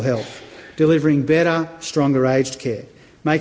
memberikan perawatan yang lebih baik dan lebih baik